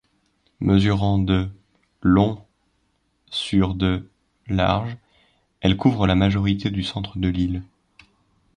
Mesurant de long sur de large, elle couvre la majorité du centre de l'île.